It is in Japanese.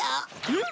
うん？